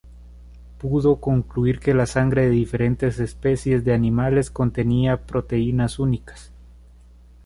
Pudo concluir que la sangre de diferentes especies de animales contenía proteínas únicas.